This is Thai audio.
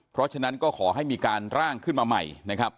เพราะฉะนั้นก็ขอให้มีการร่างขึ้นมาใหม่นะครับ